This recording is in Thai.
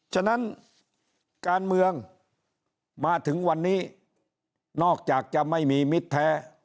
ฉะนั้นการเมืองมาถึงวันนี้นอกจากจะไม่มีมิตรแท้